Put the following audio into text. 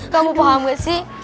kamu paham gak sih